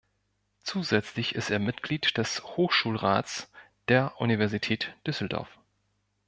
Zusätzlich ist er Mitglied des Hochschulrats der Universität Düsseldorf.